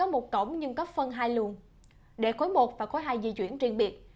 một và khối hai di chuyển riêng biệt